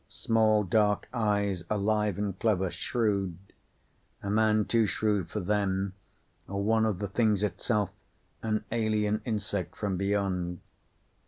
Small dark eyes, alive and clever. Shrewd. A man too shrewd for them or one of the things itself, an alien insect from beyond.